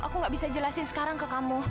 aku gak bisa jelasin sekarang ke kamu